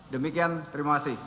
demikian terima kasih